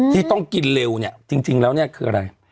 ที่ต้องกินเร็วจริงแล้วนี่คืออะไร